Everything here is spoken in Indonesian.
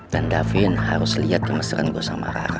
dan davin harus liat kemeseran gue sama rara